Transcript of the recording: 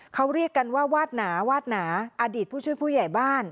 เขาเรียกกันว่าวาดหนาวาดหนาอดีตผู้ช่วยผู้ใหญ่บ้าน